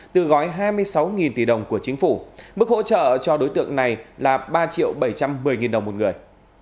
từ gói hai mươi sáu tỷ đồng của chính phủ mức hỗ trợ cho đối tượng này là ba triệu bảy trăm một mươi đồng một người